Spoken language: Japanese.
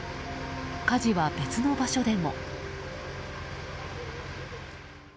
火事は別の場所でも。